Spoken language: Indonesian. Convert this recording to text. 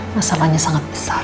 masalahnya sangat besar